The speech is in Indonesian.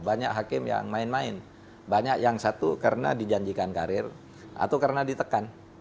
banyak hakim yang main main banyak yang satu karena dijanjikan karir atau karena ditekan